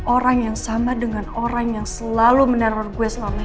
orang yang sama dengan orang yang selalu meneror gue selama ini